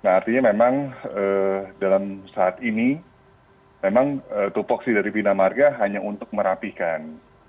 nah artinya memang dalam saat ini memang tupoksi dari bina marga hanya untuk merapikan